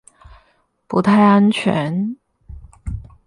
不太安全